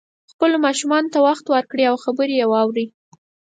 خپلو ماشومانو ته وخت ورکړئ او خبرې یې واورئ